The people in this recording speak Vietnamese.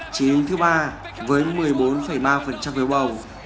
chiến đấu thứ ba với một mươi bốn ba phiếu bầu